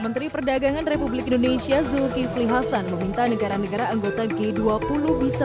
menteri perdagangan republik indonesia zulkifli hasan meminta negara negara anggota g dua puluh bisa